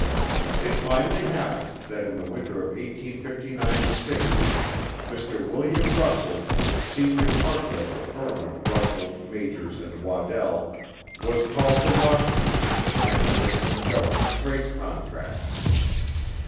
It finally happened that in the winter of 1859 60, Mr. William Russell, senior partner of the firm of Russell, Majors, and Waddell, was called to Washington in connection with some Government freight contracts.